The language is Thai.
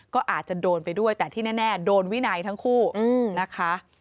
ก็อาจจะโดนไปด้วยแต่ที่แน่โดนวินัยทั้งคู่นะคะ